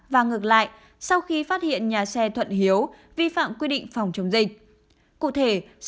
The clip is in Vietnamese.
và ngược lại sau khi phát hiện nhà xe thuận hiếu vi phạm quy định phòng chống dịch